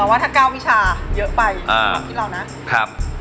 เราว่าถ้า๙วิชาเยอะไปคิดเรานะ